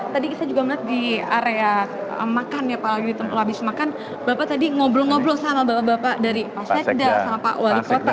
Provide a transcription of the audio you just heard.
tadi kita juga melihat di area makan ya pak lagi makan bapak tadi ngobrol ngobrol sama bapak bapak dari pak sekda sama pak wali kota